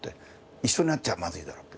一緒になっちゃマズいだろうって。